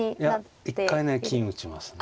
いや一回ね金打ちますね。